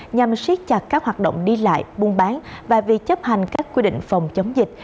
nhằm siết chặt các hoạt động đi lại buôn bán và việc chấp hành các quy định phòng chống dịch